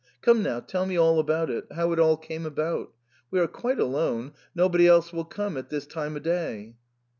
Come now, tell me all about it, how it all came about ; we are quite alone, nobody else will come at this time o* day."